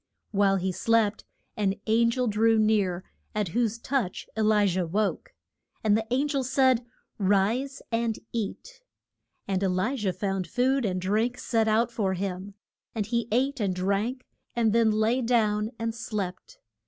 While he slept, an an gel drew near, at whose touch E li jah woke. And the an gel said, Rise and eat. [Illustration: E LI JAH AND KING A HAB.] And E li jah found food and drink set out for him. And he ate and drank, and then lay down and slept.